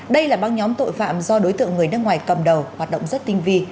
đây là băng nhóm tội phạm do đối tượng người nước ngoài cầm đầu hoạt động rất tinh vi